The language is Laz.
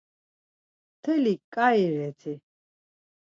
Mtelik ǩai reti?